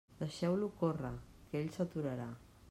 Deixeu-lo córrer, que ell s'aturarà.